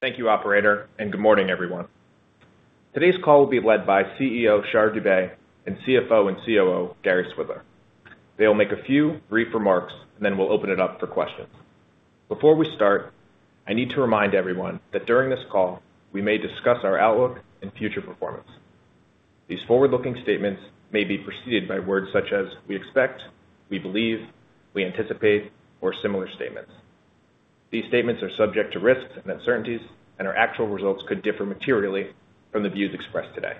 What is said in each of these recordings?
Thank you, Operator, and good morning, everyone. Today's call will be led by CEO, Shar Dubey, and CFO and COO, Gary Swidler. They'll make a few brief remarks, and then we'll open it up for questions. Before we start, I need to remind everyone that during this call, we may discuss our outlook and future performance. These forward-looking statements may be preceded by words such as "we expect," "we believe," "we anticipate," or similar statements. These statements are subject to risks and uncertainties, and our actual results could differ materially from the views expressed today.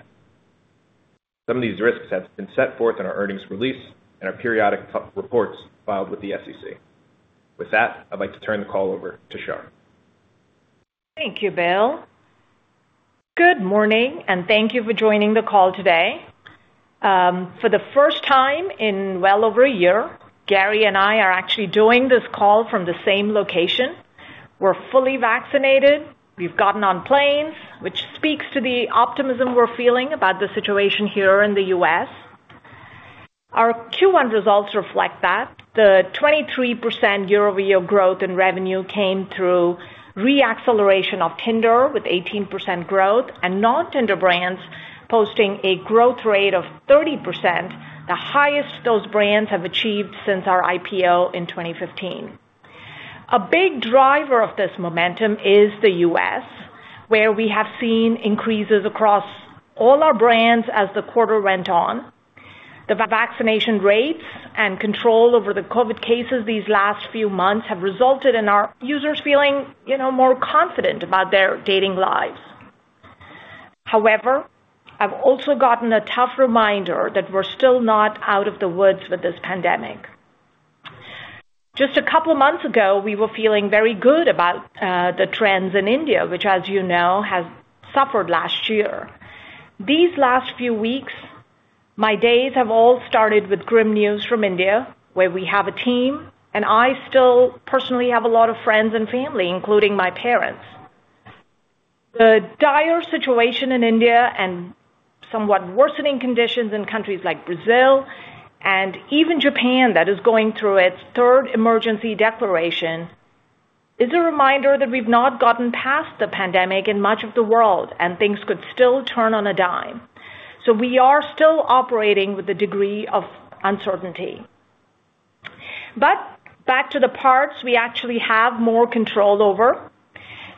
Some of these risks have been set forth in our earnings release and our periodic reports filed with the SEC. With that, I'd like to turn the call over to Shar. Thank you, Bill. Good morning, and thank you for joining the call today. For the first time in well over a year, Gary and I are actually doing this call from the same location. We're fully vaccinated. We've gotten on planes, which speaks to the optimism we're feeling about the situation here in the U.S. Our Q1 results reflect that. The 23% year-over-year growth in revenue came through re-acceleration of Tinder with 18% growth and non-Tinder brands posting a growth rate of 30%, the highest those brands have achieved since our IPO in 2015. A big driver of this momentum is the U.S., where we have seen increases across all our brands as the quarter went on. The vaccination rates and control over the COVID cases these last few months have resulted in our users feeling more confident about their dating lives. I've also gotten a tough reminder that we're still not out of the woods with this pandemic. Just a couple of months ago, we were feeling very good about the trends in India, which as has suffered last year. These last few weeks, my days have all started with grim news from India, where we have a team, and I still personally have a lot of friends and family, including my parents. The dire situation in India and somewhat worsening conditions in countries like Brazil and even Japan, that is going through its third emergency declaration, is a reminder that we've not gotten past the pandemic in much of the world, and things could still turn on a dime. We are still operating with a degree of uncertainty. Back to the parts we actually have more control over.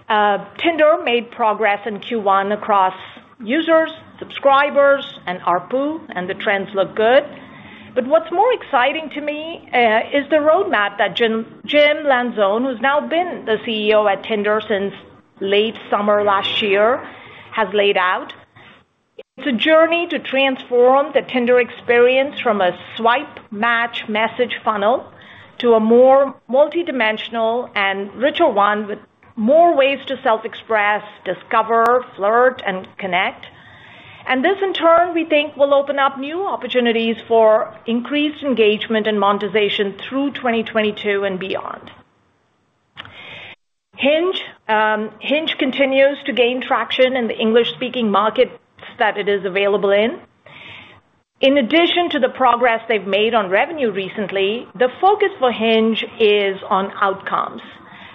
Tinder made progress in Q1 across users, subscribers, and ARPU, the trends look good. What's more exciting to me is the roadmap that Jim Lanzone, who's now been the CEO at Tinder since late summer last year, has laid out. It's a journey to transform the Tinder experience from a swipe, match, message funnel to a more multidimensional and richer one with more ways to self-express, discover, flirt, and connect. This, in turn, we think will open up new opportunities for increased engagement and monetization through 2022 and beyond. Hinge continues to gain traction in the English-speaking markets that it is available in. In addition to the progress they've made on revenue recently, the focus for Hinge is on outcomes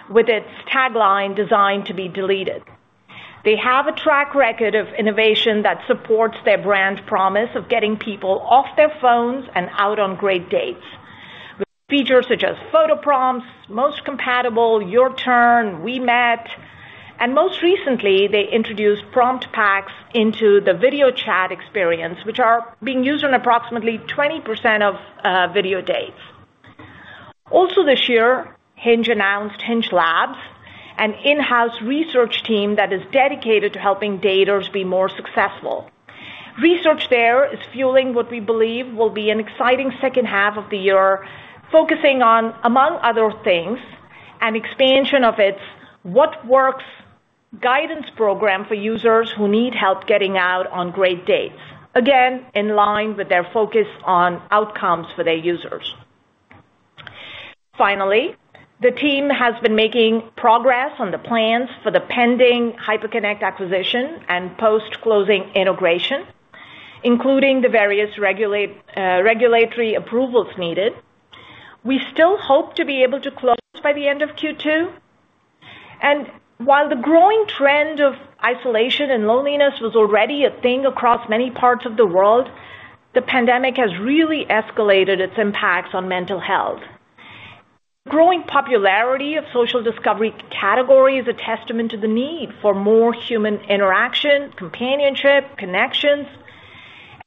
with its tagline, "Designed to be deleted." They have a track record of innovation that supports their brand promise of getting people off their phones and out on great dates with features such as photo prompts, Most Compatible, Your Turn, We Met, and most recently, they introduced prompt packs into the video chat experience, which are being used on approximately 20% of video dates. Also this year, Hinge announced Hinge Labs, an in-house research team that is dedicated to helping daters be more successful. Research there is fueling what we believe will be an exciting second half of the year, focusing on, among other things, an expansion of its What Works guidance program for users who need help getting out on great dates, again, in line with their focus on outcomes for their users. Finally, the team has been making progress on the plans for the pending Hyperconnect acquisition and post-closing integration, including the various regulatory approvals needed. We still hope to be able to close by the end of Q2. While the growing trend of isolation and loneliness was already a thing across many parts of the world, the pandemic has really escalated its impacts on mental health. The growing popularity of social discovery category is a testament to the need for more human interaction, companionship, connections.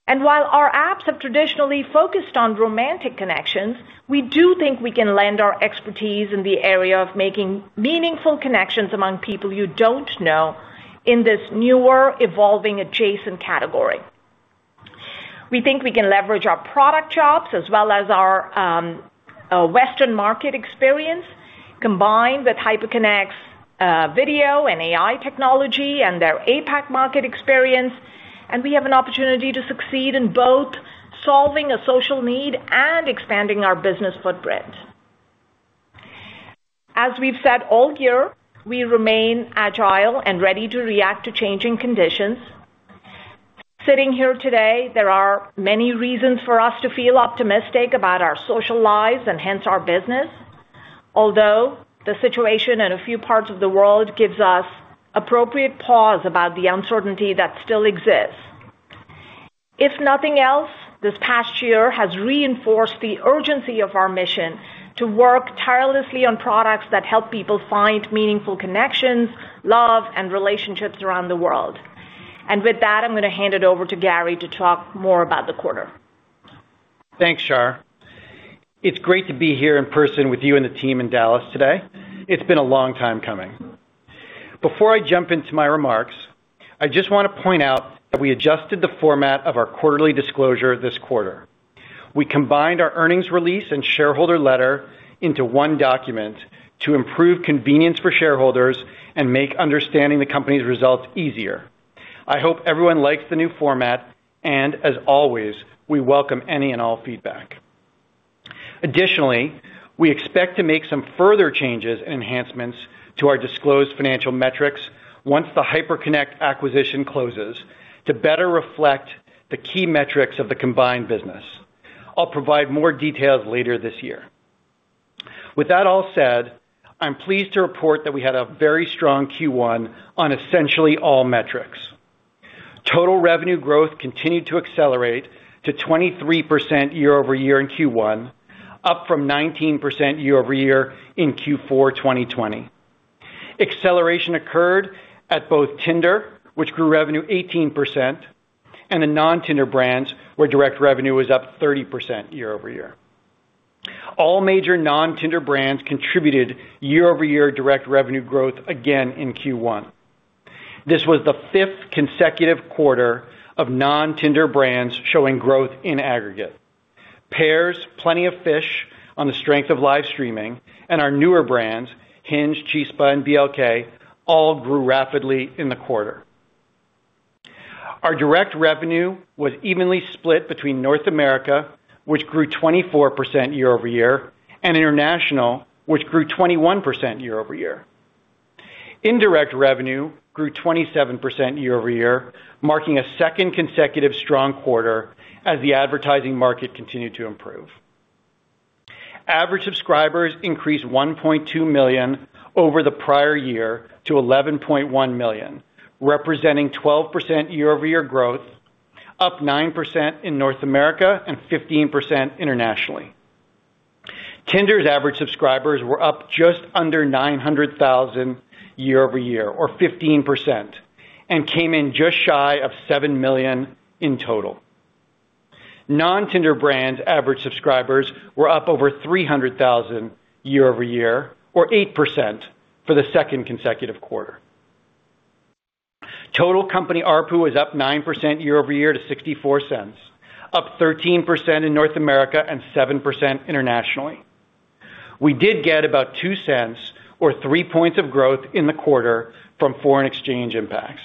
While our apps have traditionally focused on romantic connections, we do think we can lend our expertise in the area of making meaningful connections among people you don't know in this newer evolving adjacent category. We think we can leverage our product chops as well as our Western market experience, combined with Hyperconnect's video and AI technology and their APAC market experience, and we have an opportunity to succeed in both solving a social need and expanding our business footprint. As we've said all year, we remain agile and ready to react to changing conditions. Sitting here today, there are many reasons for us to feel optimistic about our social lives and hence our business. Although the situation in a few parts of the world gives us appropriate pause about the uncertainty that still exists. If nothing else, this past year has reinforced the urgency of our mission to work tirelessly on products that help people find meaningful connections, love, and relationships around the world. With that, I'm going to hand it over to Gary to talk more about the quarter. Thanks, Shar. It's great to be here in person with you and the team in Dallas today. It's been a long time coming. Before I jump into my remarks, I just want to point out that we adjusted the format of our quarterly disclosure this quarter. We combined our earnings release and shareholder letter into one document to improve convenience for shareholders and make understanding the company's results easier. I hope everyone likes the new format, and as always, we welcome any and all feedback. Additionally, we expect to make some further changes and enhancements to our disclosed financial metrics once the Hyperconnect acquisition closes to better reflect the key metrics of the combined business. I'll provide more details later this year. With that all said, I'm pleased to report that we had a very strong Q1 on essentially all metrics. Total revenue growth continued to accelerate to 23% year-over-year in Q1, up from 19% year-over-year in Q4 2020. Acceleration occurred at both Tinder, which grew revenue 18%, and the non-Tinder brands, where direct revenue was up 30% year-over-year. All major non-Tinder brands contributed year-over-year direct revenue growth again in Q1. This was the fifth consecutive quarter of non-Tinder brands showing growth in aggregate. Pairs, Plenty of Fish on the strength of live streaming, and our newer brands, Hinge, Chispa, and BLK, all grew rapidly in the quarter. Our direct revenue was evenly split between North America, which grew 24% year-over-year, and international, which grew 21% year-over-year. Indirect revenue grew 27% year-over-year, marking a second consecutive strong quarter as the advertising market continued to improve. Average subscribers increased 1.2 million over the prior year to 11.1 million, representing 12% year-over-year growth, up 9% in North America and 15% internationally. Tinder's average subscribers were up just under 900,000 year-over-year or 15%, and came in just shy of 7 million in total. Non-Tinder brands' average subscribers were up over 300,000 year-over-year or 8% for the second consecutive quarter. Total company ARPU was up 9% year-over-year to $0.64, up 13% in North America and 7% internationally. We did get about $0.02 or 3 points of growth in the quarter from foreign exchange impacts.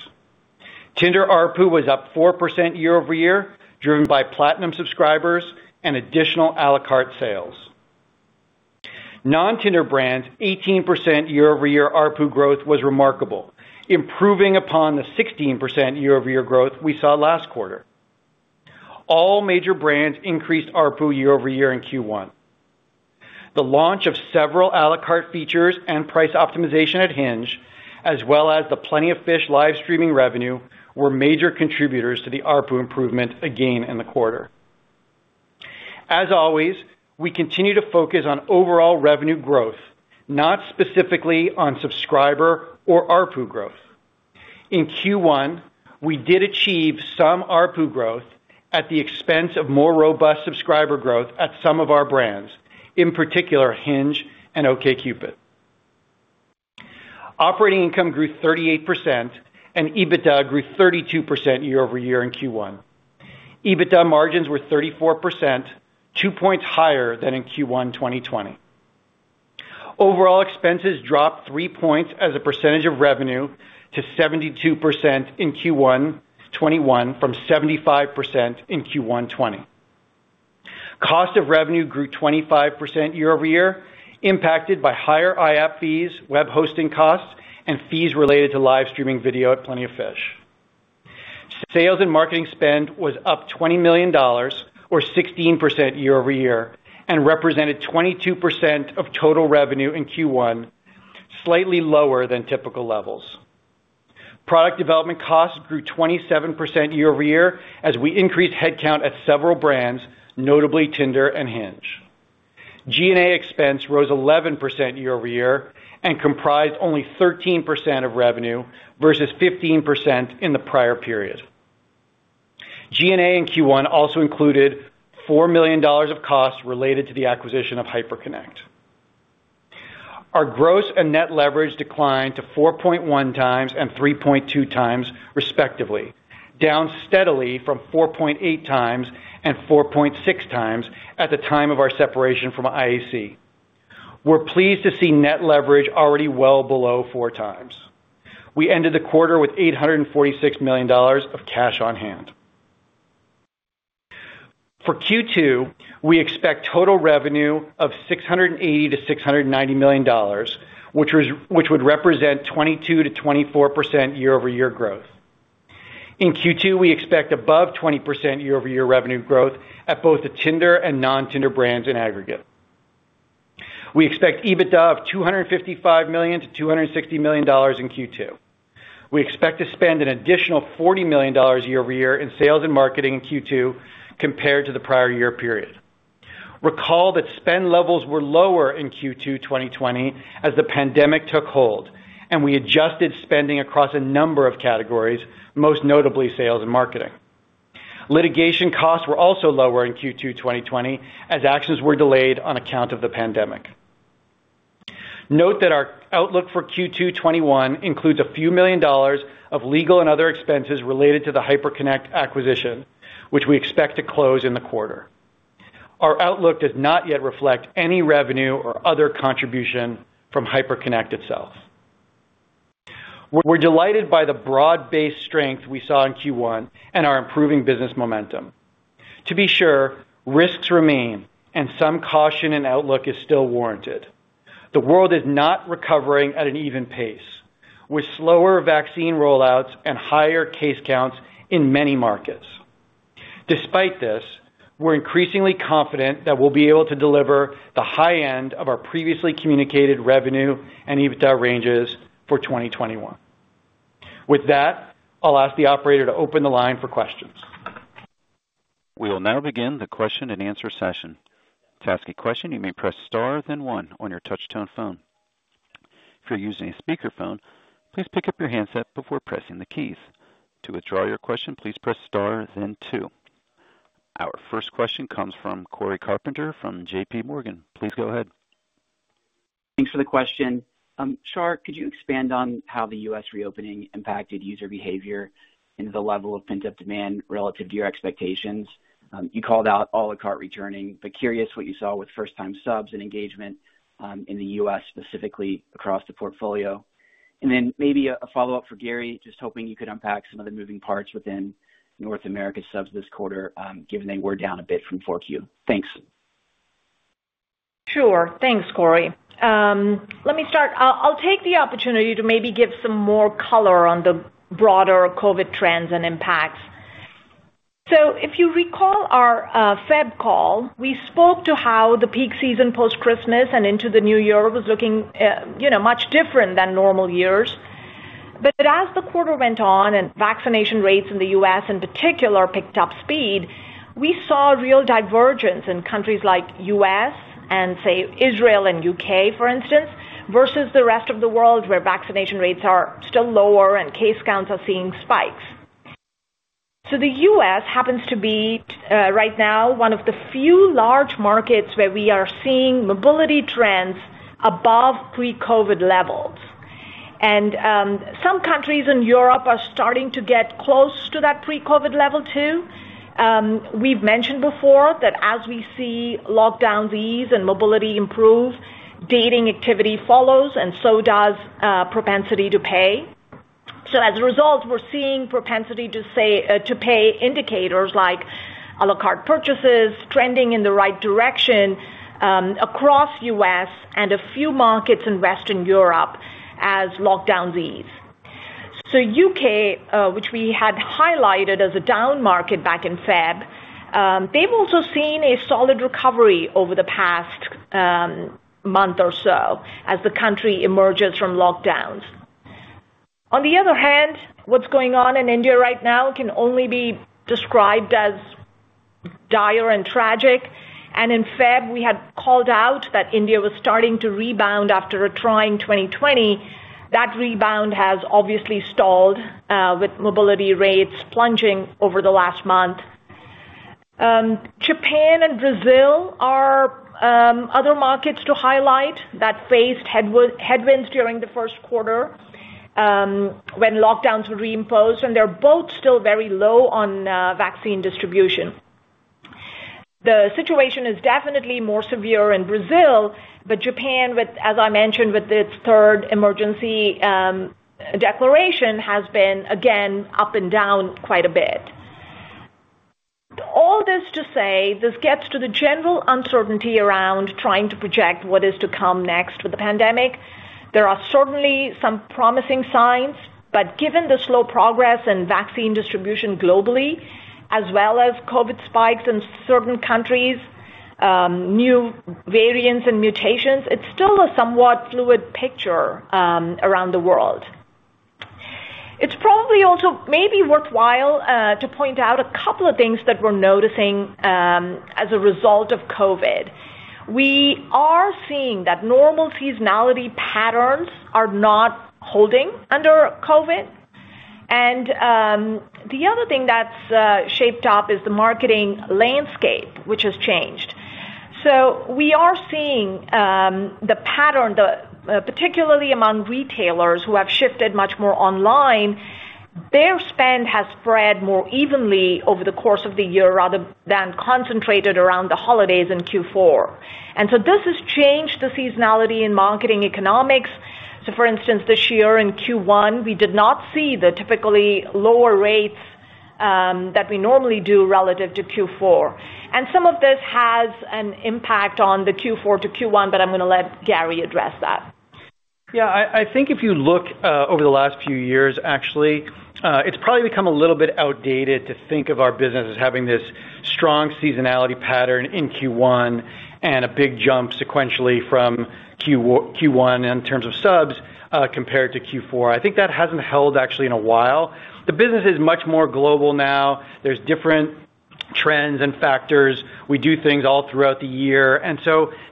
Tinder ARPU was up 4% year-over-year, driven by Platinum subscribers and additional à la carte sales. Non-Tinder brands 18% year-over-year ARPU growth was remarkable, improving upon the 16% year-over-year growth we saw last quarter. All major brands increased ARPU year-over-year in Q1. The launch of several à la carte features and price optimization at Hinge, as well as the Plenty of Fish live streaming revenue, were major contributors to the ARPU improvement again in the quarter. As always, we continue to focus on overall revenue growth, not specifically on subscriber or ARPU growth. In Q1, we did achieve some ARPU growth at the expense of more robust subscriber growth at some of our brands, in particular, Hinge and OkCupid. Operating income grew 38% and EBITDA grew 32% year-over-year in Q1. EBITDA margins were 34%, two points higher than in Q1 2020. Overall expenses dropped three points as a percentage of revenue to 72% in Q1 2021 from 75% in Q1 2020. Cost of revenue grew 25% year-over-year, impacted by higher IAP fees, web hosting costs, and fees related to live streaming video at Plenty of Fish. Sales and marketing spend was up $20 million or 16% year-over-year and represented 22% of total revenue in Q1, slightly lower than typical levels. Product development costs grew 27% year-over-year as we increased headcount at several brands, notably Tinder and Hinge. G&A expense rose 11% year-over-year and comprised only 13% of revenue versus 15% in the prior period. G&A in Q1 also included $4 million of costs related to the acquisition of Hyperconnect. Our gross and net leverage declined to 4.1x and 3.2x, respectively, down steadily from 4.8x and 4.6x at the time of our separation from IAC. We're pleased to see net leverage already well below 4x. We ended the quarter with $846 million of cash on hand. For Q2, we expect total revenue of $680 million-$690 million, which would represent 22%-24% year-over-year growth. In Q2, we expect above 20% year-over-year revenue growth at both the Tinder and non-Tinder brands in aggregate. We expect EBITDA of $255 million-$260 million in Q2. We expect to spend an additional $40 million year-over-year in sales and marketing in Q2 compared to the prior year period. Recall that spend levels were lower in Q2 2020 as the pandemic took hold, and we adjusted spending across a number of categories, most notably sales and marketing. Litigation costs were also lower in Q2 2020 as actions were delayed on account of the pandemic. Note that our outlook for Q2 2021 includes a few million dollars of legal and other expenses related to the Hyperconnect acquisition, which we expect to close in the quarter. Our outlook does not yet reflect any revenue or other contribution from Hyperconnect itself. We're delighted by the broad-based strength we saw in Q1 and our improving business momentum. To be sure, risks remain, and some caution in outlook is still warranted. The world is not recovering at an even pace with slower vaccine roll-outs and higher case counts in many markets. Despite this, we're increasingly confident that we'll be able to deliver the high end of our previously communicated revenue and EBITDA ranges for 2021. With that, I'll ask the operator to open the line for questions. We will now begin the question-and-answer session. To ask a question, you may press star then one on your touch-tone phone. If you're using a speakerphone, please pick up your handset before pressing the keys. To withdraw your question, please press star then two. Our first question comes from Cory Carpenter from JPMorgan. Please go ahead. Thanks for the question. Shar, could you expand on how the U.S. reopening impacted user behavior and the level of pent-up demand relative to your expectations? You called out a la carte returning, but curious what you saw with first-time subs and engagement in the U.S., specifically across the portfolio. Then maybe a follow-up for Gary, just hoping you could unpack some of the moving parts within North America subs this quarter, given they were down a bit from Q4. Thanks. Sure. Thanks, Cory. Let me start. I'll take the opportunity to maybe give some more color on the broader COVID trends and impacts. If you recall our Feb call, we spoke to how the peak season post-Christmas and into the new year was looking much different than normal years. As the quarter went on and vaccination rates in the U.S. in particular picked up speed, we saw a real divergence in countries like U.S. and say, Israel and U.K., for instance, versus the rest of the world, where vaccination rates are still lower and case counts are seeing spikes. Some countries in Europe are starting to get close to that pre-COVID level too. We've mentioned before that as we see lockdowns ease and mobility improve, dating activity follows and so does propensity to pay. As a result, we're seeing propensity to pay indicators like à la carte purchases trending in the right direction across U.S. and a few markets in Western Europe as lockdowns ease. U.K., which we had highlighted as a down market back in Feb, they've also seen a solid recovery over the past month or so as the country emerges from lockdowns. On the other hand, what's going on in India right now can only be described as dire and tragic. In Feb, we had called out that India was starting to rebound after a trying 2020. That rebound has obviously stalled with mobility rates plunging over the last month. Japan and Brazil are other markets to highlight that faced headwinds during Q1 when lockdowns were reimposed, and they're both still very low on vaccine distribution. The situation is definitely more severe in Brazil, but Japan, as I mentioned, with its third emergency declaration, has been, again, up and down quite a bit. All this to say, this gets to the general uncertainty around trying to project what is to come next with the pandemic. There are certainly some promising signs, but given the slow progress in vaccine distribution globally, as well as COVID spikes in certain countries, new variants and mutations, it's still a somewhat fluid picture around the world. It's probably also maybe worthwhile to point out a couple of things that we're noticing as a result of COVID. We are seeing that normal seasonality patterns are not holding under COVID. The other thing that's shaped up is the marketing landscape, which has changed. We are seeing the pattern, particularly among retailers who have shifted much more online, their spend has spread more evenly over the course of the year rather than concentrated around the holidays in Q4. This has changed the seasonality in marketing economics. For instance, this year in Q1, we did not see the typically lower rates that we normally do relative to Q4. Some of this has an impact on Q4 to Q1, but I'm going to let Gary address that. Yes. I think if you look over the last few years, actually, it's probably become a little bit outdated to think of our business as having this strong seasonality pattern in Q1 and a big jump sequentially from Q1 in terms of subs, compared to Q4. I think that hasn't held actually in a while. The business is much more global now. There's different trends and factors. We do things all throughout the year.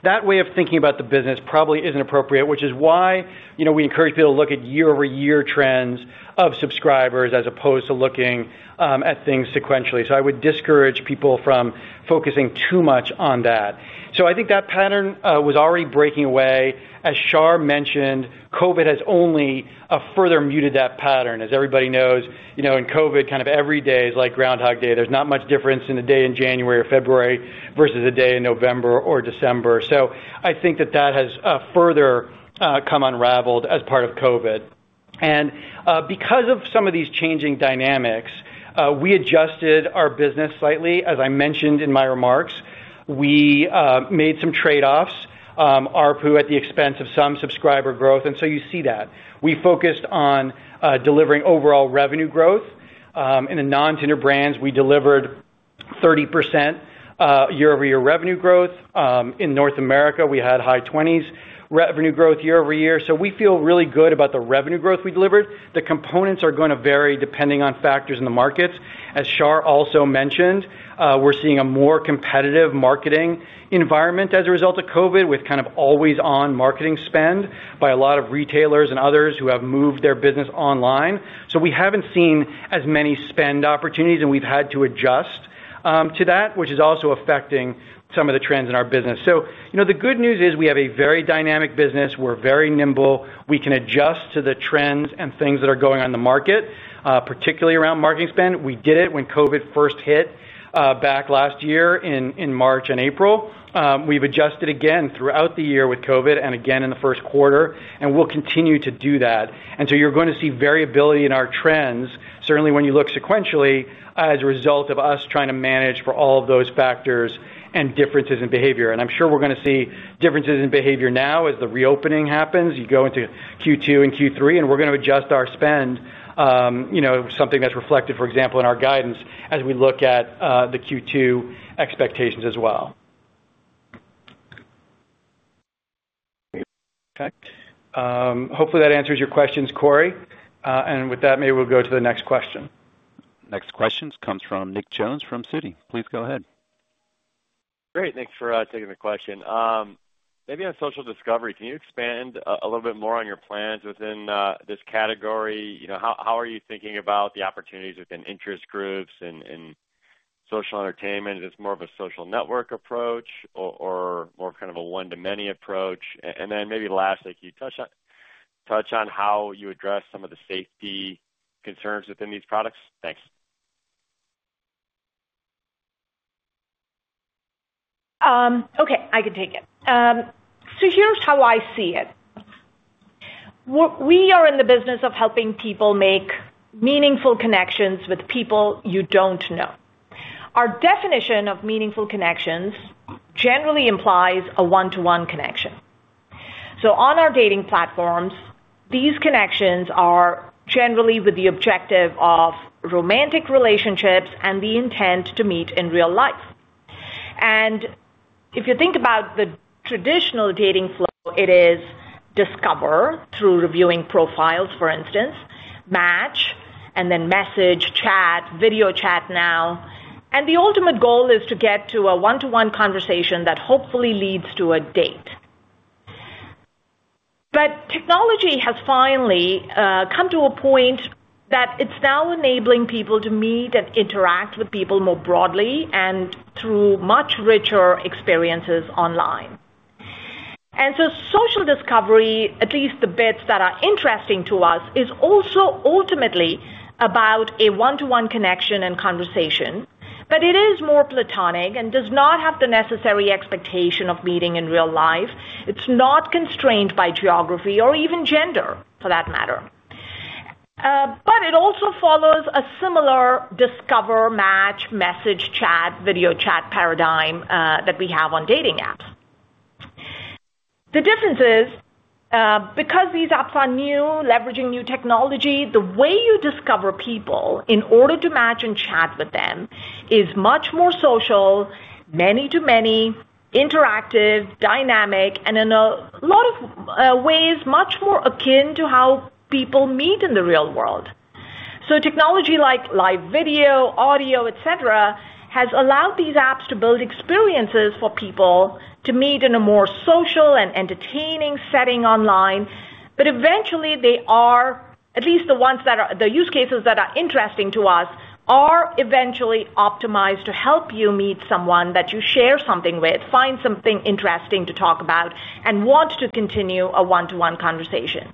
That way of thinking about the business probably isn't appropriate, which is why we encourage people to look at year-over-year trends of subscribers as opposed to looking at things sequentially. I would discourage people from focusing too much on that. I think that pattern was already breaking away. As Shar mentioned, COVID has only further muted that pattern. As everybody knows, in COVID, every day is like Groundhog Day. There's not much difference in a day in January or February versus a day in November or December. I think that that has further come unraveled as part of COVID. Because of some of these changing dynamics, we adjusted our business slightly, as I mentioned in my remarks. We made some trade-offs, ARPU at the expense of some subscriber growth, you see that. We focused on delivering overall revenue growth. In the non-Tinder brands, we delivered 30% year-over-year revenue growth. In North America, we had high 20s revenue growth year-over-year. We feel really good about the revenue growth we delivered. The components are going to vary depending on factors in the markets. As Shar also mentioned, we're seeing a more competitive marketing environment as a result of COVID with kind of always-on marketing spend by a lot of retailers and others who have moved their business online. We haven't seen as many spend opportunities, and we've had to adjust to that, which is also affecting some of the trends in our business. The good news is we have a very dynamic business. We're very nimble. We can adjust to the trends and things that are going on in the market, particularly around marketing spend. We did it when COVID first hit back last year in March and April. We've adjusted again throughout the year with COVID and again in Q1, and we'll continue to do that. You're going to see variability in our trends, certainly when you look sequentially, as a result of us trying to manage for all of those factors and differences in behavior. I'm sure we're going to see differences in behavior now as the reopening happens. You go into Q2 and Q3, and we're going to adjust our spend, something that's reflected, for example, in our guidance as we look at Q2 expectations as well. Hopefully, that answers your questions, Cory. With that, maybe we'll go to the next question. Next question comes from Nick Jones from Citi. Please go ahead. Great. Thanks for taking the question. Maybe on social discovery, can you expand a little bit more on your plans within this category? How are you thinking about the opportunities within interest groups and social entertainment? Is this more of a social network approach or more kind of a one-to-many approach? Maybe lastly, can you touch on how you address some of the safety concerns within these products? Thanks. Okay, I can take it. Here's how I see it. We are in the business of helping people make meaningful connections with people you don't know. Our definition of meaningful connections generally implies a one-to-one connection. On our dating platforms, these connections are generally with the objective of romantic relationships and the intent to meet in real life. If you think about the traditional dating flow, it is discover through reviewing profiles, for instance, match, and then message, chat, video chat now, and the ultimate goal is to get to a one-to-one conversation that hopefully leads to a date. Technology has finally come to a point that it's now enabling people to meet and interact with people more broadly and through much richer experiences online. Social discovery, at least the bits that are interesting to us, is also ultimately about a one-to-one connection and conversation, but it is more platonic and does not have the necessary expectation of meeting in real life. It's not constrained by geography or even gender, for that matter. It also follows a similar discover, match, message, chat, video chat paradigm that we have on dating apps. The difference is because these apps are new, leveraging new technology, the way you discover people in order to match and chat with them is much more social, many-to-many, interactive, dynamic, and in a lot of ways, much more akin to how people meet in the real world. Technology like live video, audio, etc., has allowed these apps to build experiences for people to meet in a more social and entertaining setting online. Eventually, they are, at least the use cases that are interesting to us, are eventually optimized to help you meet someone that you share something with, find something interesting to talk about, and want to continue a one-to-one conversation.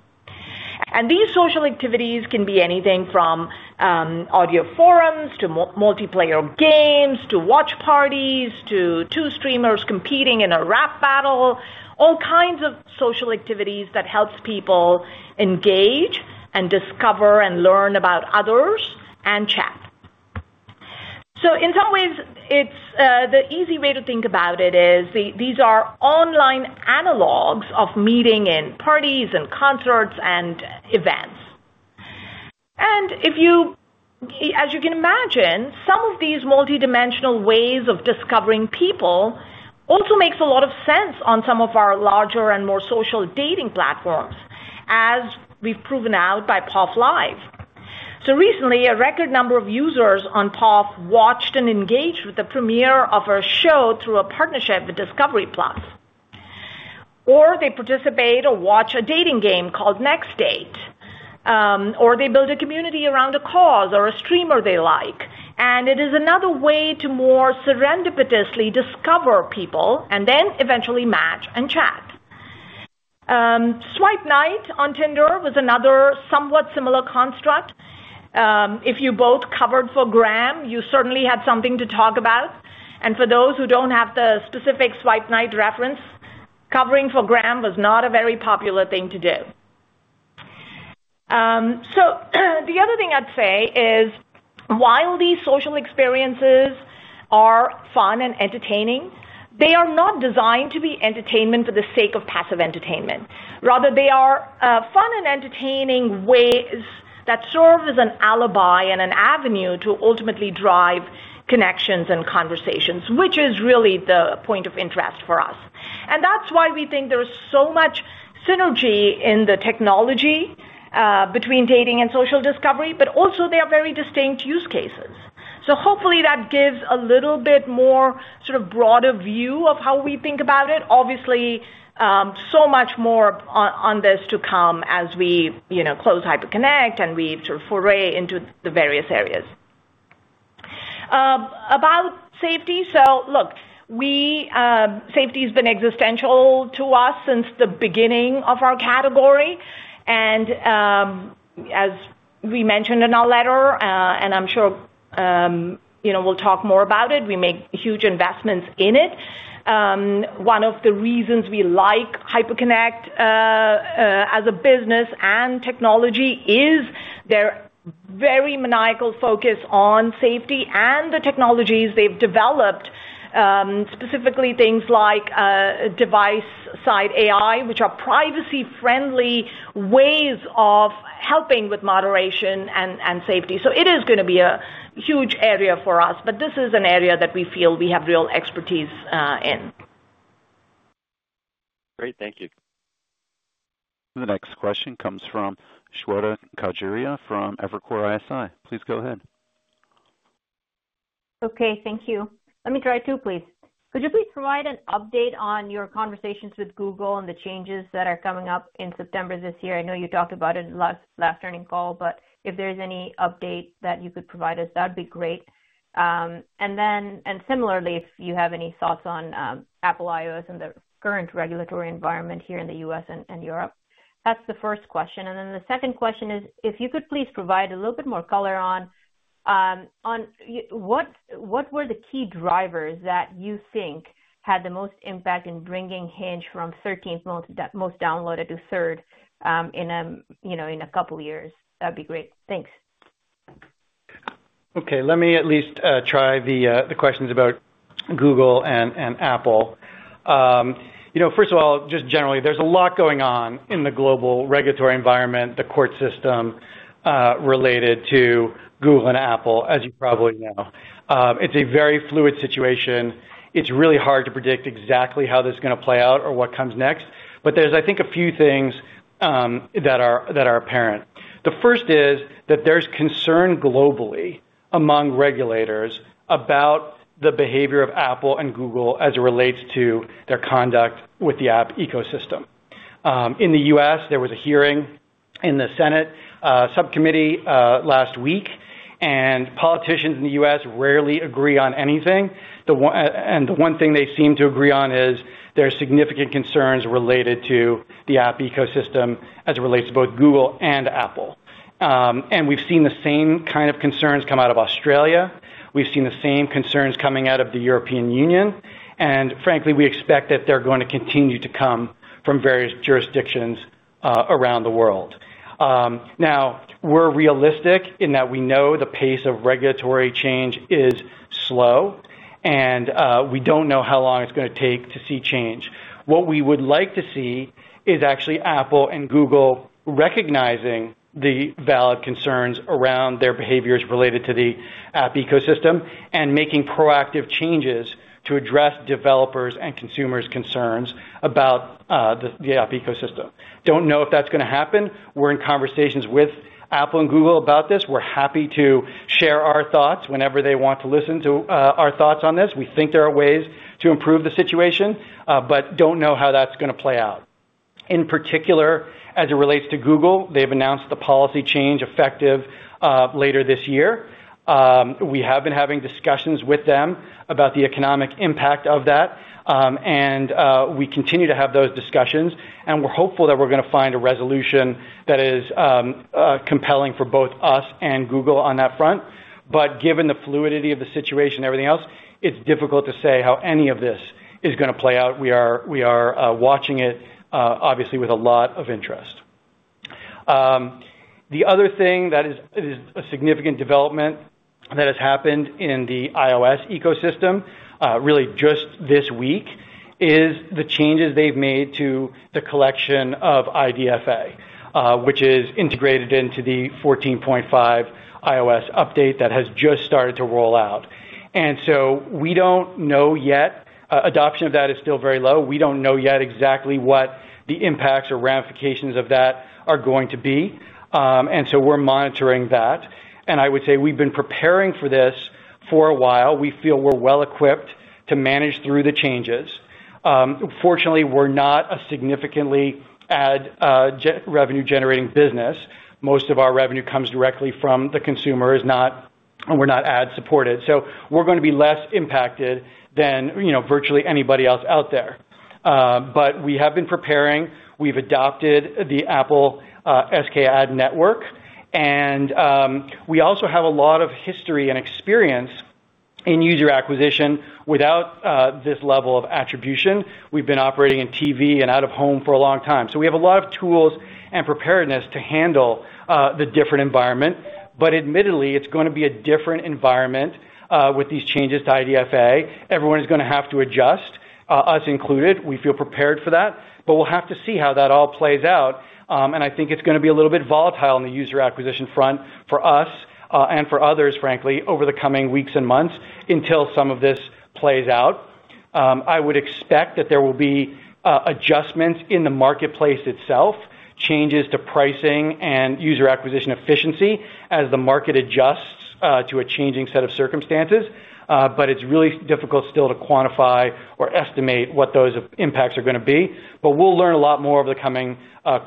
These social activities can be anything from audio forums to multiplayer games, to watch parties, to two streamers competing in a rap battle, all kinds of social activities that helps people engage and discover and learn about others and chat. In some ways, the easy way to think about it is these are online analogs of meeting in parties and concerts and events. As you can imagine, some of these multidimensional ways of discovering people also makes a lot of sense on some of our larger and more social dating platforms, as we've proven out by POF Live. Recently, a record number of users on POF watched and engaged with the premiere of our show through a partnership with Discovery+. They participate or watch a dating game called NextDate, or they build a community around a cause or a streamer they like. It is another way to more serendipitously discover people, and then eventually match and chat. Swipe Night on Tinder was another somewhat similar construct. If you both covered for Graham, you certainly had something to talk about. For those who don't have the specific Swipe Night reference, covering for Graham was not a very popular thing to do. The other thing I'd say is while these social experiences are fun and entertaining, they are not designed to be entertainment for the sake of passive entertainment. Rather, they are fun and entertaining ways that serve as an alibi and an avenue to ultimately drive connections and conversations, which is really the point of interest for us. That's why we think there is so much synergy in the technology between dating and social discovery, but also they are very distinct use cases. Hopefully that gives a little bit more sort of broader view of how we think about it. Obviously, so much more on this to come as we close Hyperconnect and we sort of foray into the various areas. About safety. Look, safety has been existential to us since the beginning of our category. As we mentioned in our letter, and I'm sure we'll talk more about it, we make huge investments in it. One of the reasons we like Hyperconnect as a business and technology is their very maniacal focus on safety and the technologies they've developed, specifically things like device side AI, which are privacy-friendly ways of helping with moderation and safety. It is going to be a huge area for us, but this is an area that we feel we have real expertise in. Great. Thank you. The next question comes from Shweta Khajuria from Evercore ISI. Please go ahead. Okay. Thank you. Let me try two, please. Could you please provide an update on your conversations with Google and the changes that are coming up in September this year? I know you talked about it last earning call, but if there's any update that you could provide us, that'd be great. Similarly, if you have any thoughts on Apple iOS and the current regulatory environment here in the U.S. and Europe. That's the first question. The second question is if you could please provide a little bit more color on what were the key drivers that you think had the most impact in bringing Hinge from 13th most downloaded to third in a couple years. That'd be great. Thanks. Okay. Let me at least try the questions about Google and Apple. First of all, just generally, there's a lot going on in the global regulatory environment, the court system, related to Google and Apple, as you probably know. It's a very fluid situation. It's really hard to predict exactly how this is going to play out or what comes next. There's, I think, a few things that are apparent. The first is that there's concern globally among regulators about the behavior of Apple and Google as it relates to their conduct with the app ecosystem. In the U.S., there was a hearing in the Senate subcommittee last week, and politicians in the U.S. rarely agree on anything. The one thing they seem to agree on is there are significant concerns related to the app ecosystem as it relates to both Google and Apple. We've seen the same kind of concerns come out of Australia. We've seen the same concerns coming out of the European Union. Frankly, we expect that they're going to continue to come from various jurisdictions around the world. Now, we're realistic in that we know the pace of regulatory change is slow, and we don't know how long it's going to take to see change. What we would like to see is actually Apple and Google recognizing the valid concerns around their behaviors related to the app ecosystem and making proactive changes to address developers' and consumers' concerns about the app ecosystem. Don't know if that's going to happen. We're in conversations with Apple and Google about this. We're happy to share our thoughts whenever they want to listen to our thoughts on this. We think there are ways to improve the situation, but don't know how that's going to play out. In particular, as it relates to Google, they've announced the policy change effective later this year. We have been having discussions with them about the economic impact of that. We continue to have those discussions, and we're hopeful that we're going to find a resolution that is compelling for both us and Google on that front. Given the fluidity of the situation and everything else, it's difficult to say how any of this is going to play out. We are watching it, obviously, with a lot of interest. The other thing that is a significant development that has happened in the iOS ecosystem, really just this week, is the changes they've made to the collection of IDFA, which is integrated into the 14.5 iOS update that has just started to roll out. We don't know yet. Adoption of that is still very low. We don't know yet exactly what the impacts or ramifications of that are going to be. We're monitoring that. I would say we've been preparing for this for a while. We feel we're well equipped to manage through the changes. Fortunately, we're not a significantly ad revenue generating business. Most of our revenue comes directly from the consumer, and we're not ad supported. We're going to be less impacted than virtually anybody else out there. We have been preparing. We've adopted the Apple SKAdNetwork, and we also have a lot of history and experience in user acquisition without this level of attribution. We've been operating in TV and out of home for a long time, so we have a lot of tools and preparedness to handle the different environment. Admittedly, it's going to be a different environment with these changes to IDFA. Everyone is going to have to adjust, us included. We feel prepared for that, but we'll have to see how that all plays out. I think it's going to be a little bit volatile on the user acquisition front for us, and for others, frankly, over the coming weeks and months until some of this plays out. I would expect that there will be adjustments in the marketplace itself, changes to pricing and user acquisition efficiency as the market adjusts to a changing set of circumstances. It's really difficult still to quantify or estimate what those impacts are going to be. We'll learn a lot more over the coming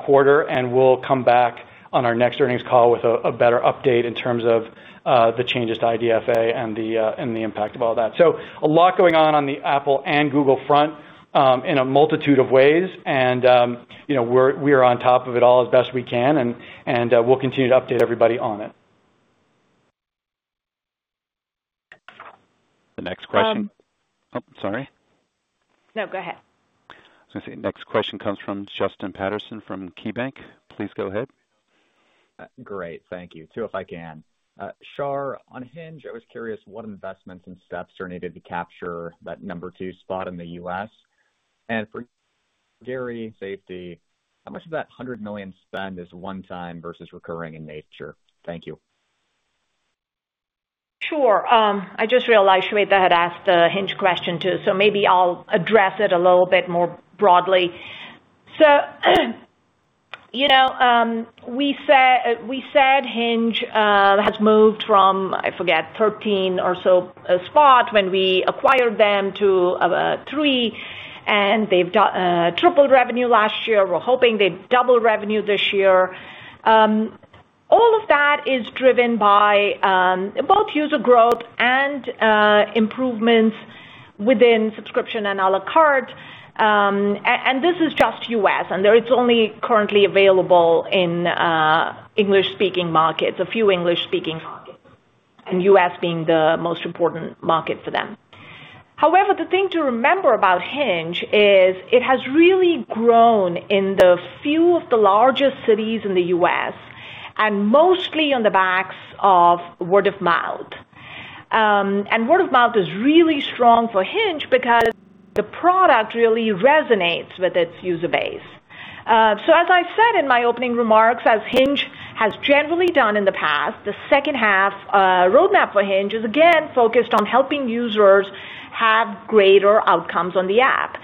quarter, and we'll come back on our next earnings call with a better update in terms of the changes to IDFA and the impact of all that. A lot going on on the Apple and Google front in a multitude of ways. We are on top of it all as best we can, and we'll continue to update everybody on it. The next question. No, go ahead. I was going to say, next question comes from Justin Patterson from KeyBanc. Please go ahead. Great. Thank you. Two, if I can. Shar, on Hinge, I was curious what investments and steps are needed to capture that number 2 spot in the U.S.? For Gary, safety, how much of that $100 million spend is one time versus recurring in nature? Thank you. Sure. I just realized Shweta had asked a Hinge question, too, so maybe I'll address it a little bit more broadly. We said Hinge has moved from, I forget, 13 or so spot when we acquired them to 3, and they've tripled revenue last year. We're hoping they double revenue this year. All of that is driven by both user growth and improvements within subscription and a la carte. This is just U.S., and it's only currently available in English-speaking markets, a few English-speaking markets, and U.S. being the most important market for them. However, the thing to remember about Hinge is it has really grown in the few of the largest cities in the U.S. and mostly on the backs of word of mouth. Word of mouth is really strong for Hinge because the product really resonates with its user base. As I said in my opening remarks, as Hinge has generally done in the past, the second half roadmap for Hinge is again focused on helping users have greater outcomes on the app.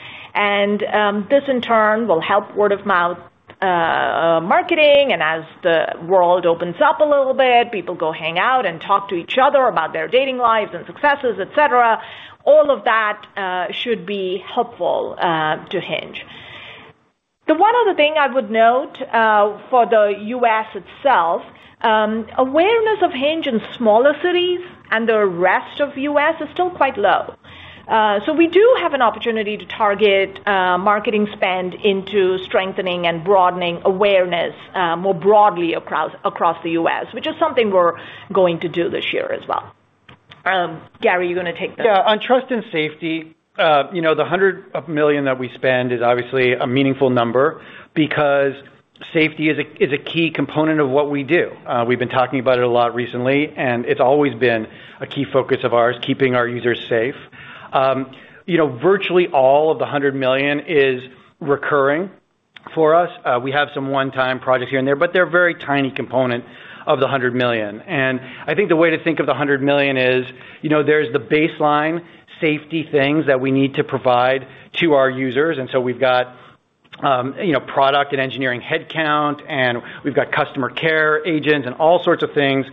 This in turn will help word of mouth marketing. As the world opens up a little bit, people go hang out and talk to each other about their dating lives and successes, etc.. All of that should be helpful to Hinge. The one other thing I would note for the U.S. itself, awareness of Hinge in smaller cities and the rest of U.S. is still quite low. We do have an opportunity to target marketing spend into strengthening and broadening awareness more broadly across the U.S., which is something we're going to do this year as well. Gary, you're going to take this? Yes. On trust and safety, the $100 million that we spend is obviously a meaningful number because safety is a key component of what we do. We've been talking about it a lot recently, and it's always been a key focus of ours, keeping our users safe. Virtually all of the $100 million is recurring for us. We have some one-time projects here and there, but they're a very tiny component of the $100 million. I think the way to think of the $100 million is there's the baseline safety things that we need to provide to our users. So we've got product and engineering headcount, and we've got customer care agents and all sorts of things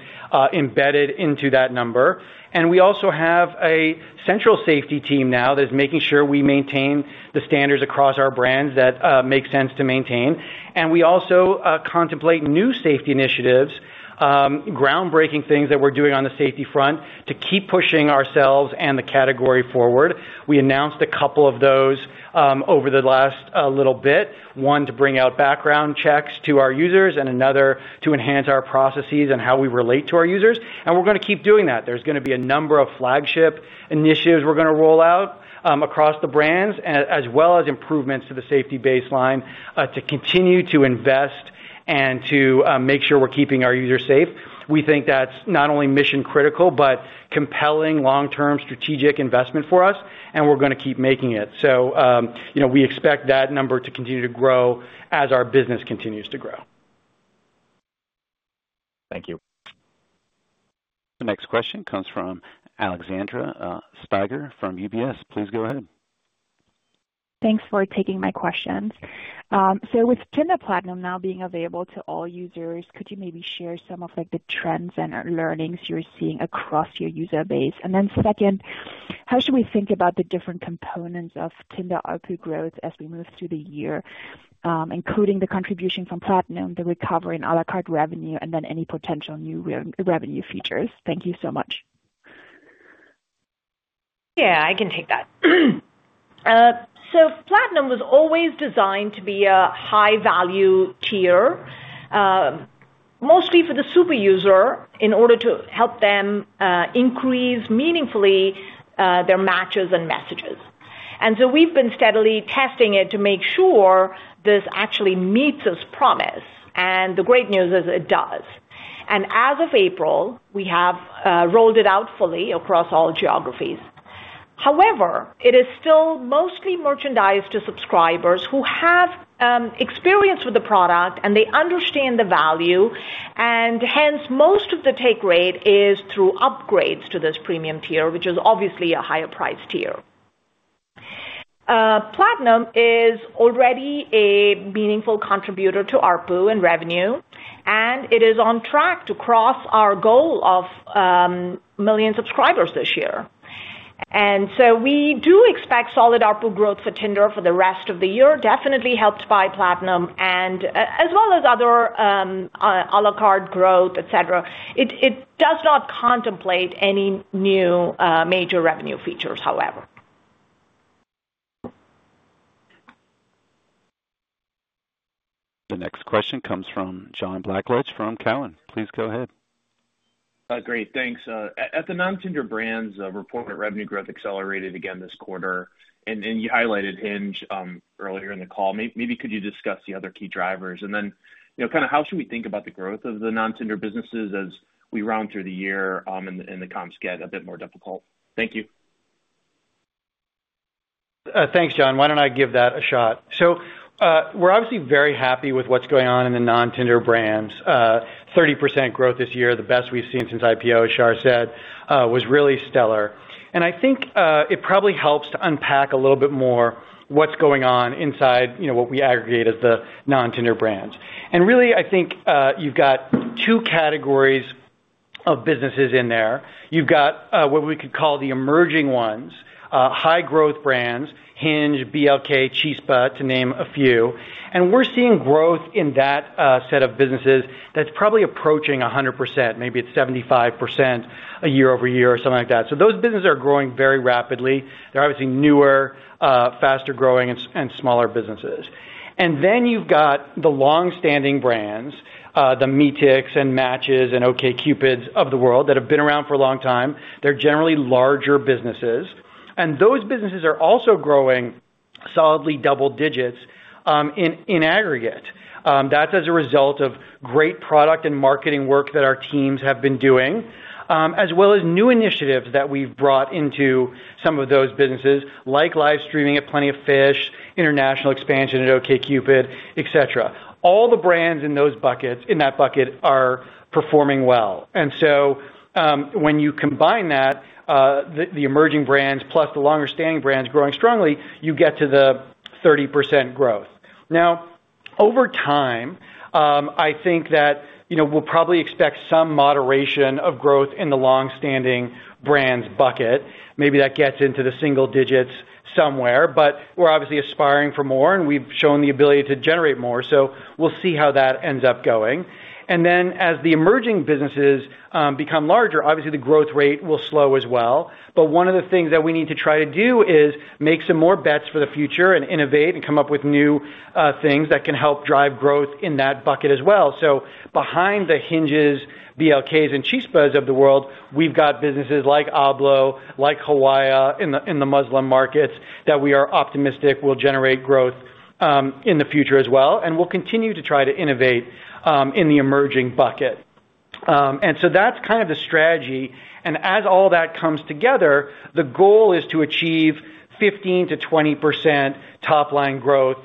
embedded into that number. We also have a central safety team now that is making sure we maintain the standards across our brands that make sense to maintain. We also contemplate new safety initiatives. Groundbreaking things that we're doing on the safety front to keep pushing ourselves and the category forward. We announced a couple of those over the last little bit, one, to bring out background checks to our users, and another to enhance our processes and how we relate to our users. We're going to keep doing that. There's going to be a number of flagship initiatives we're going to roll out across the brands, as well as improvements to the safety baseline to continue to invest and to make sure we're keeping our users safe. We think that's not only mission-critical, but compelling long-term strategic investment for us, and we're going to keep making it. We expect that number to continue to grow as our business continues to grow. Thank you. The next question comes from Alexandra Steiger from UBS. Please go ahead. Thanks for taking my questions. With Tinder Platinum now being available to all users, could you maybe share some of the trends and learnings you're seeing across your user base? Second, how should we think about the different components of Tinder ARPU growth as we move through the year, including the contribution from Platinum, the recovery in a la carte revenue, and then any potential new revenue features? Thank you so much. Yes, I can take that. Platinum was always designed to be a high-value tier, mostly for the super user in order to help them increase meaningfully their matches and messages. We've been steadily testing it to make sure this actually meets its promise. The great news is it does. As of April, we have rolled it out fully across all geographies. However, it is still mostly merchandised to subscribers who have experience with the product and they understand the value, and hence most of the take rate is through upgrades to this premium tier, which is obviously a higher priced tier. Platinum is already a meaningful contributor to ARPU and revenue, and it is on track to cross our goal of 1 million subscribers this year. We do expect solid ARPU growth for Tinder for the rest of the year, definitely helped by Platinum and as well as other a la carte growth, etc.. It does not contemplate any new major revenue features, however. The next question comes from John Blackledge from Cowen. Please go ahead. Great. Thanks. At the non-Tinder brands, reported revenue growth accelerated again this quarter. You highlighted Hinge earlier in the call. Maybe could you discuss the other key drivers? How should we think about the growth of the non-Tinder businesses as we round through the year and the comps get a bit more difficult? Thank you. Thanks, John. Why don't I give that a shot? We're obviously very happy with what's going on in the non-Tinder brands. 30% growth this year, the best we've seen since IPO, as Shar said, was really stellar. I think it probably helps to unpack a little bit more what's going on inside what we aggregate as the non-Tinder brands. Really, I think you've got two categories of businesses in there. You've got what we could call the emerging ones, high growth brands, Hinge, BLK, Chispa, to name a few. We're seeing growth in that set of businesses that's probably approaching 100%. Maybe it's 75% year-over-year or something like that. Those businesses are growing very rapidly. They're obviously newer, faster-growing, and smaller businesses. You've got the long-standing brands, the Meetic and Match.com and OkCupids of the world that have been around for a long time. They're generally larger businesses. Those businesses are also growing solidly double digits in aggregate. That's as a result of great product and marketing work that our teams have been doing, as well as new initiatives that we've brought into some of those businesses, like live streaming at Plenty of Fish, international expansion at OkCupid, etc.. All the brands in that bucket are performing well. When you combine that, the emerging brands plus the longer-standing brands growing strongly, you get to the 30% growth. Over time, I think that we'll probably expect some moderation of growth in the long-standing brands bucket. Maybe that gets into the single digits somewhere, but we're obviously aspiring for more, and we've shown the ability to generate more. We'll see how that ends up going. As the emerging businesses become larger, obviously the growth rate will slow as well. One of the things that we need to try to do is make some more bets for the future and innovate and come up with new things that can help drive growth in that bucket as well. Behind the Hinges, BLKs, and Chispas of the world, we've got businesses like Ablo, like Hawaya in the Muslim markets that we are optimistic will generate growth in the future as well. We'll continue to try to innovate in the emerging bucket. That's kind of the strategy. As all that comes together, the goal is to achieve 15%-20% top-line growth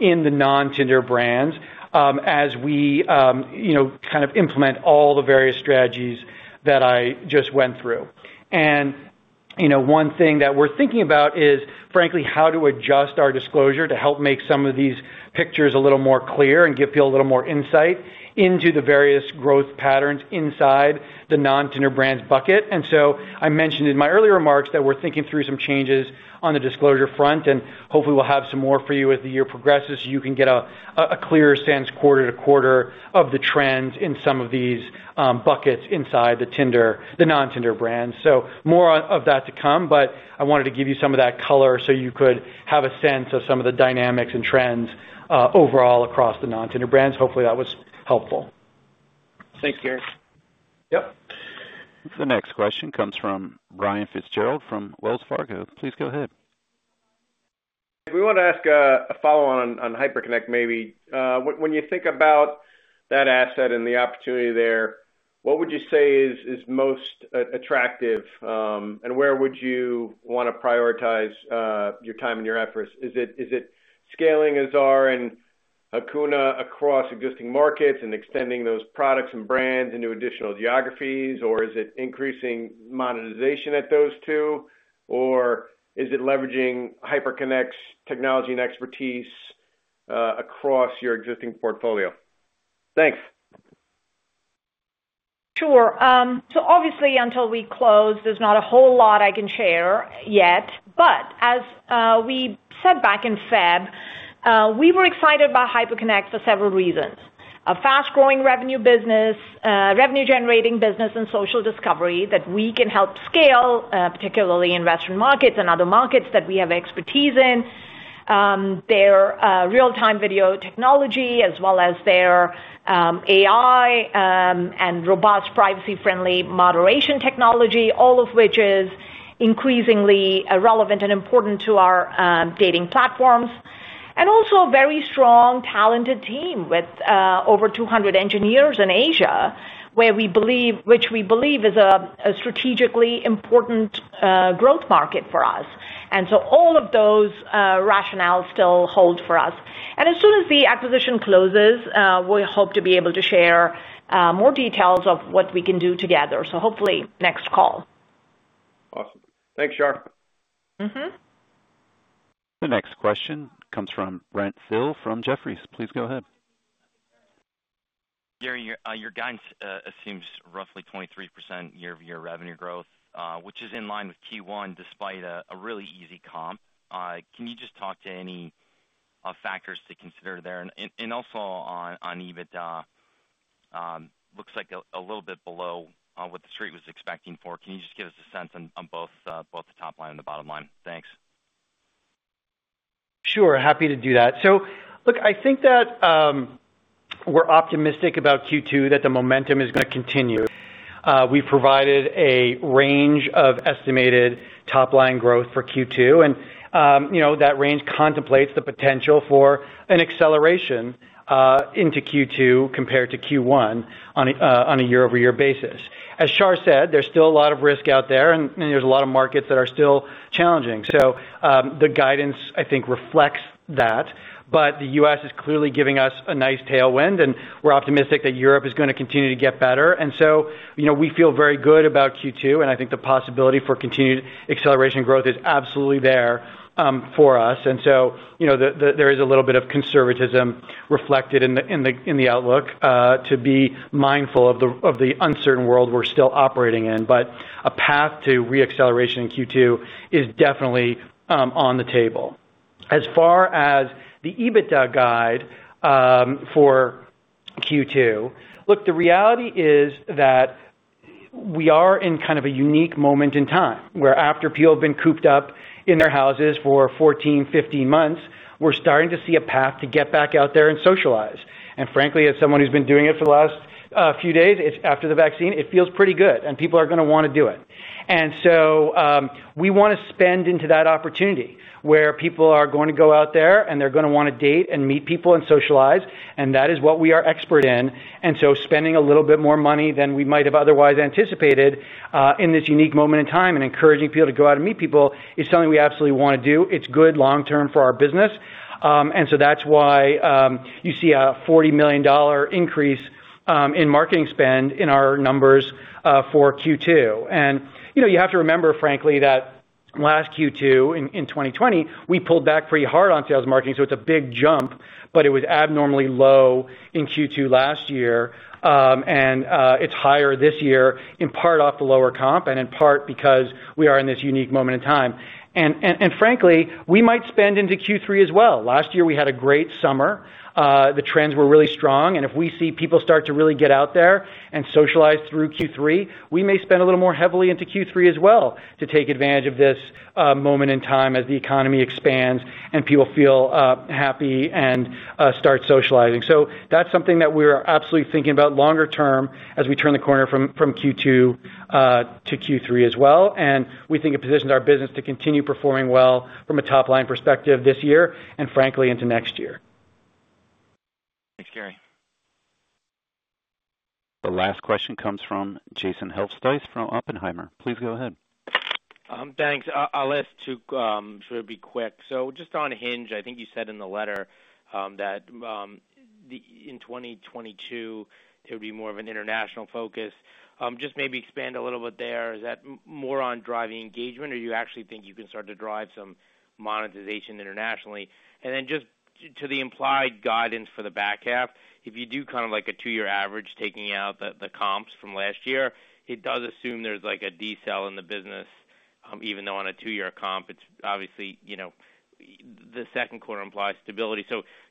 in the non-Tinder brands as we kind of implement all the various strategies that I just went through. One thing that we're thinking about is, frankly, how to adjust our disclosure to help make some of these pictures a little more clear and give people a little more insight into the various growth patterns inside the non-Tinder brands bucket. I mentioned in my earlier remarks that we're thinking through some changes on the disclosure front, and hopefully we'll have some more for you as the year progresses, so you can get a clearer sense quarter-to-quarter of the trends in some of these buckets inside the non-Tinder brands. More of that to come, but I wanted to give you some of that color so you could have a sense of some of the dynamics and trends overall across the non-Tinder brands. Hopefully that was helpful. Thanks, Gary. Yes. The next question comes from Brian Fitzgerald from Wells Fargo. Please go ahead. We want to ask a follow-on on Hyperconnect, maybe. When you think about that asset and the opportunity there, what would you say is most attractive, and where would you want to prioritize your time and your efforts? Is it scaling Azar and Hakuna across existing markets and extending those products and brands into additional geographies, or is it increasing monetization at those two, or is it leveraging Hyperconnect's technology and expertise across your existing portfolio? Thanks. Sure. Obviously, until we close, there's not a whole lot I can share yet. As we said back in February, we were excited about Hyperconnect for several reasons. A fast-growing revenue business, revenue-generating business in social discovery that we can help scale, particularly in Western markets and other markets that we have expertise in. Their real-time video technology, as well as their AI and robust privacy-friendly moderation technology, all of which is increasingly relevant and important to our dating platforms. Also a very strong, talented team with over 200 engineers in Asia, which we believe is a strategically important growth market for us. All of those rationales still hold for us. As soon as the acquisition closes, we hope to be able to share more details of what we can do together. Hopefully next call. Awesome. Thanks, Shar. The next question comes from Brent Thill from Jefferies. Please go ahead. Gary, your guidance assumes roughly 23% year-over-year revenue growth, which is in line with Q1 despite a really easy comp. Can you just talk to any factors to consider there? Also on EBITDA, looks like a little bit below what the street was expecting for. Can you just give us a sense on both the top line and the bottom line? Thanks. Sure, happy to do that. Look, I think that we're optimistic about Q2, that the momentum is going to continue. We've provided a range of estimated top-line growth for Q2, and that range contemplates the potential for an acceleration into Q2 compared to Q1 on a year-over-year basis. As Shar said, there's still a lot of risk out there, and there's a lot of markets that are still challenging. The guidance, I think, reflects that. The U.S. is clearly giving us a nice tailwind, and we're optimistic that Europe is going to continue to get better. We feel very good about Q2, and I think the possibility for continued acceleration growth is absolutely there for us. There is a little bit of conservatism reflected in the outlook to be mindful of the uncertain world we're still operating in. A path to re-acceleration in Q2 is definitely on the table. As far as the EBITDA guide for Q2, look, the reality is that we are in kind of a unique moment in time, where after people have been cooped up in their houses for 14, 15 months, we're starting to see a path to get back out there and socialize. Frankly, as someone who's been doing it for the last few days after the vaccine, it feels pretty good, and people are going to want to do it. We want to spend into that opportunity, where people are going to go out there, and they're going to want to date and meet people and socialize, and that is what we are expert in. Spending a little bit more money than we might have otherwise anticipated in this unique moment in time and encouraging people to go out and meet people is something we absolutely want to do. It's good long term for our business. That's why you see a $40 million increase in marketing spend in our numbers for Q2. You have to remember, frankly, that last Q2 in 2020, we pulled back pretty hard on sales marketing, so it's a big jump, but it was abnormally low in Q2 last year. It's higher this year, in part off the lower comp, and in part because we are in this unique moment in time. Frankly, we might spend into Q3 as well. Last year, we had a great summer. The trends were really strong, and if we see people start to really get out there and socialize through Q3, we may spend a little more heavily into Q3 as well to take advantage of this moment in time as the economy expands and people feel happy and start socializing. That's something that we're absolutely thinking about longer term as we turn the corner from Q2 to Q3 as well, and we think it positions our business to continue performing well from a top-line perspective this year, and frankly, into next year. Thanks, Gary. The last question comes from Jason Helfstein from Oppenheimer. Please go ahead. Thanks. I'll ask to sort of be quick. On Hinge, I think you said in the letter that in 2022, it would be more of an international focus. Maybe expand a little bit there. Is that more on driving engagement, or you actually think you can start to drive some monetization internationally? To the implied guidance for the back half, if you do kind of like a two-year average, taking out the comps from last year, it does assume there's like a decel in the business, even though on a two-year comp, it's obviously Q2 implies stability.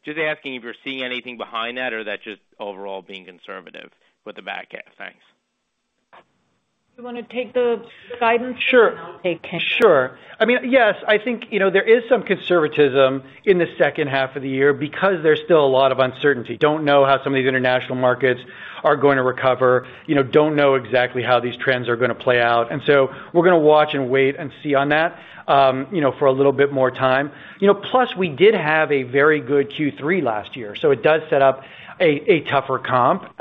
Asking if you're seeing anything behind that or that's just overall being conservative with the back half. Thanks. You want to take the guidance? Sure. I'll take Hinge. Sure. Yes, I think there is some conservatism in the second half of the year because there's still a lot of uncertainty. Don't know how some of these international markets are going to recover, don't know exactly how these trends are going to play out. We're going to watch and wait and see on that for a little bit more time. We did have a very good Q3 last year, so it does set up a tougher comp.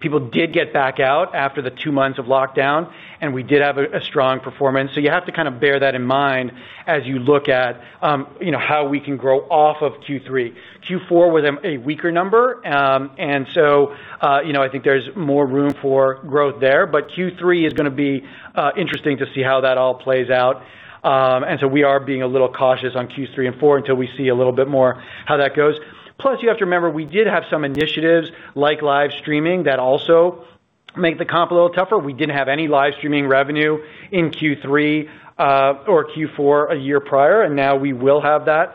People did get back out after the two months of lockdown, and we did have a strong performance. You have to kind of bear that in mind as you look at how we can grow off of Q3. Q4 was a weaker number, I think there's more room for growth there. Q3 is going to be interesting to see how that all plays out. We are being a little cautious on Q3 and four until we see a little bit more how that goes. You have to remember, we did have some initiatives like live streaming that also make the comp a little tougher. We didn't have any live streaming revenue in Q3 or Q4 a year prior, and now we will have that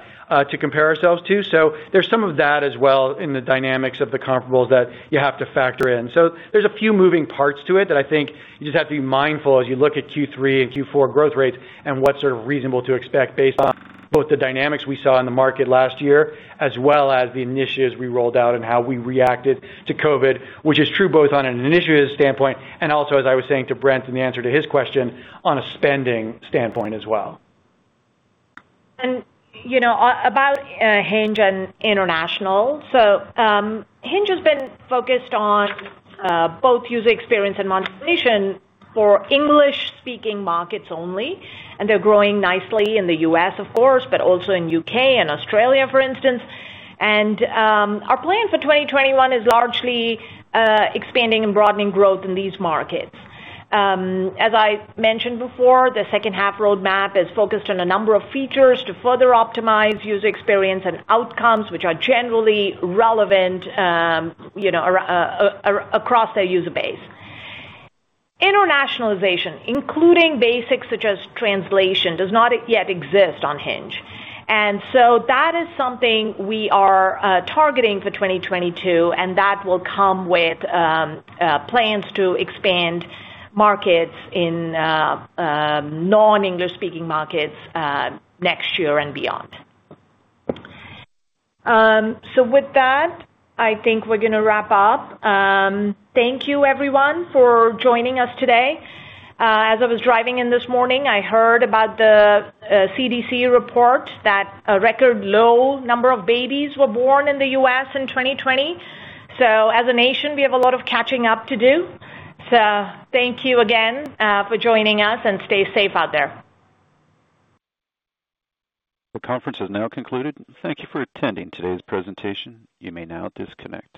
to compare ourselves to. There's some of that as well in the dynamics of the comparables that you have to factor in. There's a few moving parts to it that I think you just have to be mindful as you look at Q3 and Q4 growth rates and what's reasonable to expect based on both the dynamics we saw in the market last year, as well as the initiatives we rolled out and how we reacted to COVID, which is true both on an initiatives standpoint and also, as I was saying to Brent in the answer to his question, on a spending standpoint as well. About Hinge and international. Hinge has been focused on both user experience and monetization for English-speaking markets only, and they're growing nicely in the U.S., of course, but also in U.K. and Australia, for instance. Our plan for 2021 is largely expanding and broadening growth in these markets. As I mentioned before, the second half roadmap is focused on a number of features to further optimize user experience and outcomes which are generally relevant across their user base. Internationalization, including basics such as translation, does not yet exist on Hinge. That is something we are targeting for 2022, and that will come with plans to expand markets in non-English speaking markets next year and beyond. With that, I think we're going to wrap up. Thank you, everyone, for joining us today. As I was driving in this morning, I heard about the CDC report that a record low number of babies were born in the U.S. in 2020. As a nation, we have a lot of catching up to do. Thank you again for joining us, and stay safe out there. The conference has now concluded. Thank you for attending today's presentation. You may now disconnect.